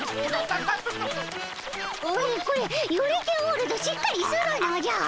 これこれゆれておるぞしっかりするのじゃ。